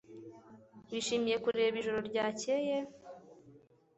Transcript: Wishimiye kureba ijoro ryakeye?